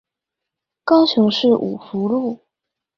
高雄市五福路